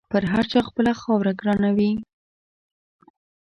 پر هر چا خپله خاوره ګرانه وي.